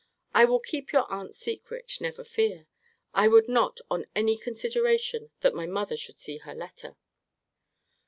I will keep your aunt's secret, never fear. I would not, on any consideration, that my mother should see her letter.